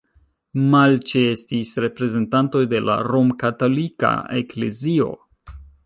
Malĉeestis reprezentantoj de la romkatolika eklezio.